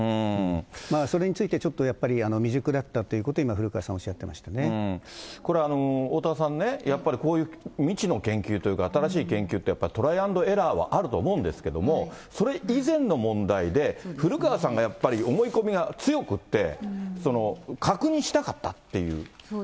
それについて、ちょっとやっぱり未熟だったということを今、古川さん、これ、おおたわさんね、やっぱりこういう未知の研究というか、新しい研究って、やったトライ＆エラーはあると思うんですけども、それ以前の問題で、古川さんがやっぱり思い込みが強くって、確認しなかったっていう。